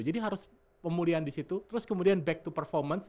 jadi harus pemulihan di situ terus kemudian back to performance